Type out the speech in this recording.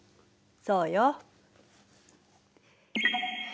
そうよ。